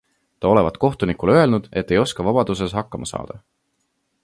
Ta olevat kohtunikule öelnud, et ei oska vabaduses hakkama saada.